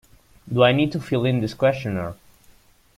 Do I need to fill in this questionnaire?